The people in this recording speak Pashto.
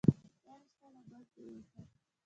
دا رشته له منځه يوسه.